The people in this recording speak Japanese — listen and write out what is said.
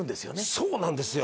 そうなんですよ。